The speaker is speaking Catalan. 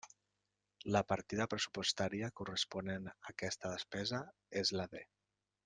La partida pressupostària corresponent a aquesta despesa és la D.